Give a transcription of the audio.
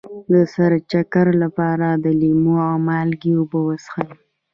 د سر د چکر لپاره د لیمو او مالګې اوبه وڅښئ